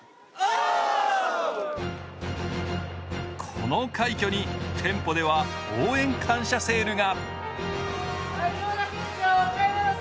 この快挙に店舗では応援感謝セールが。